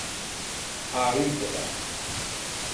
A-a rustega.